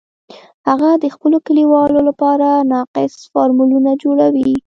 هغه د خپلو کلیوالو لپاره ناقص فارمولونه جوړوي